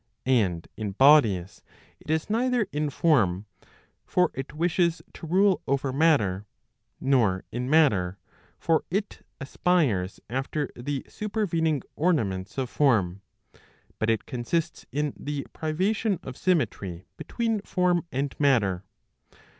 And in bodies, it is neither in form ; for it wishes to rule over matter; nor in matter; for it aspires after the supervening ornaments of form. But it consists in the privation of symmetry between form and matter.